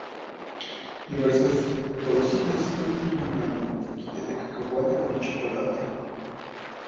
Diversas golosinas combinan la mantequilla de cacahuete con el chocolate.